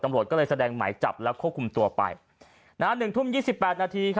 ตำรวจก็เลยแสดงใหม่จับและควบคุมตัวไป